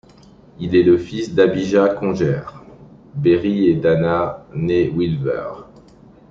Il est le fils d’Abijah Conger Berry et d’Anna née Wilber.